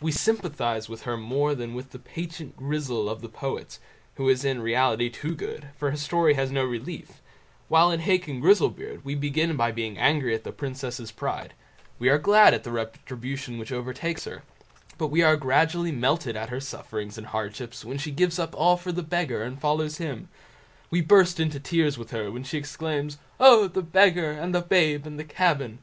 We sympathise with her more than with the "Patient Grizzel" of the poets, who is in reality too good, for her story has no relief; while in Hacon Grizzlebeard we begin by being angry at the princess's pride; we are glad at the retribution which overtakes her, but we are gradually melted at her sufferings and hardships when she gives up all for the Beggar and follows him; we burst into tears with her when she exclaims "Oh! the Beggar, and the babe, and the cabin!"